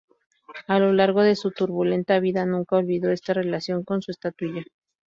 A lo largo de su turbulenta vida, nunca olvidó esta relación con su estatuilla.